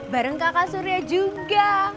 bareng kaka surya juga